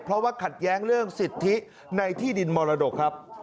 เพราะว่าขัดแย้งเรื่องสิทธิในที่ดินมรดกครับ